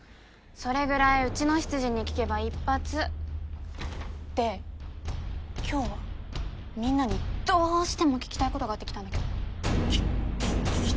それぐらいうちの執事に聞けば一発で今日はみんなにどうしても聞きたいことがあって来たんだけどき